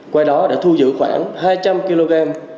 qua đó đã thu giữ khoảng hai trăm linh